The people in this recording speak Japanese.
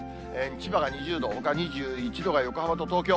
千葉が２０度、ほか２１度が横浜と東京。